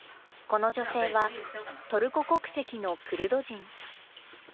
この女性は、トルコ国籍のクルド人。